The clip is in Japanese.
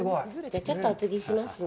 ちょっとおつぎしますね。